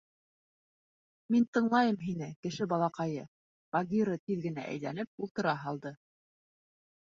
Мин тыңлайым һине, кеше балаҡайы, — Багира тиҙ генә әйләнеп, ултыра һалды.